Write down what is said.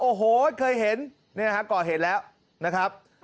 โอ้โหเคยเห็นก่อเหตุแล้วนะครับ